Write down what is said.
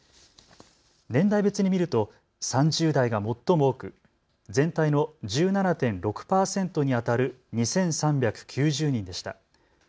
年代別に見ると３０代が最も多く全体の１７．６％にあたる２３９０人でした。